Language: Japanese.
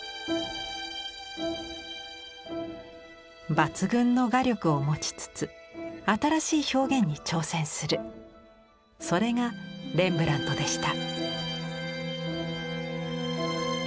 抜群の画力を持ちつつ新しい表現に挑戦するそれがレンブラントでした。